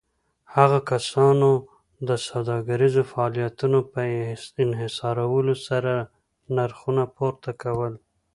هغو کسانو د سوداګريزو فعاليتونو په انحصارولو سره نرخونه پورته کول.